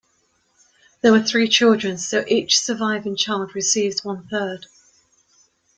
There were three children, so each surviving child receives one-third.